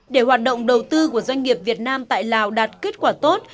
để hoạt động đầu tư của doanh nghiệp việt nam tại lào đạt kết quả tốt